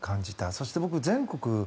そして僕、全国